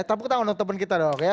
tepuk tangan untuk teman kita dok ya